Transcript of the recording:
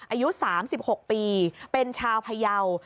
อายุ๓๖ปีเป็นชาวพยาว